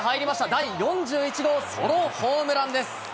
第４１号ソロホームランです！